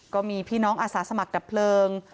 ก็มีพี่น้องอาสาสมัครดับเพลิง